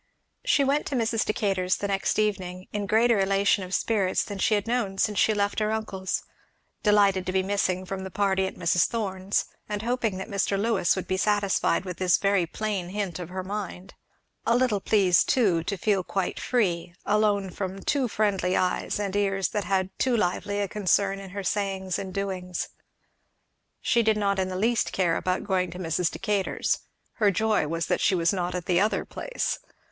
She went to Mrs. Decatur's the next evening in greater elation of spirits than she had known since she left her uncle's; delighted to be missing from the party at Mrs. Thorn's, and hoping that Mr. Lewis would be satisfied with this very plain hint of her mind. A little pleased too to feel quite free, alone from too friendly eyes, and ears that had too lively a concern in her sayings and doings. She did not in the least care about going to Mrs. Decatur's; her joy was that she was not at the other place.